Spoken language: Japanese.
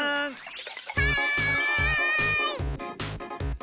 はい！